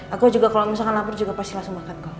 aku juga kalau misalkan lapar juga pasti langsung makanku